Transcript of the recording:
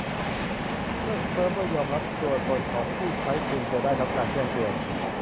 เมื่อเซิร์ฟเวอร์ยอมรับตัวตนของผู้ใช้คุณจะได้รับการแจ้งเตือน